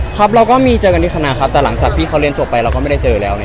ครับเราก็มีเจอกันที่คณะครับแต่หลังจากที่เขาเรียนจบไปเราก็ไม่ได้เจอแล้ว